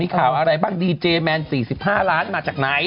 ข่าวอะไรบ้างดีเจแมน๔๕ล้านมาจากไหน